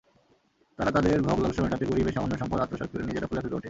তারা তাদের ভোগ-লালসা মেটাতে গরিবের সামান্য সম্পদ আত্মসাত্ করে নিজেরা ফুলে-ফেঁপে ওঠে।